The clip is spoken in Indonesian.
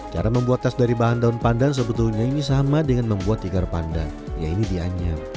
cara membuat tas dari bahan daun pandan sebetulnya ini sama dengan membuat tikar pandan yaitu dianyam